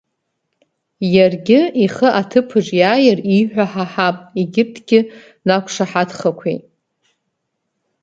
Иаргьы ихы аҭыԥаҿ иааир ииҳәо ҳаҳап, егьырҭгьы нақәшаҳаҭхақәеит.